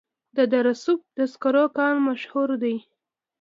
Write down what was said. د دره صوف د سکرو کان مشهور دی